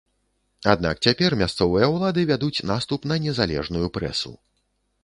Аднак цяпер мясцовыя ўлады вядуць наступ на незалежную прэсу.